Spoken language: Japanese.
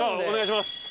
お願いします。